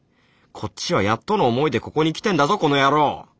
こっちはやっとの思いでここに来てんだぞこの野郎！